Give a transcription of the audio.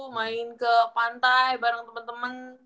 main ke pantai bareng temen temen